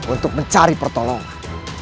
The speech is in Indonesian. untuk mencari pertolongan